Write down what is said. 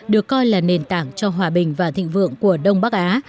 được coi là nền tảng cho hòa bình và thịnh vượng của đông bắc á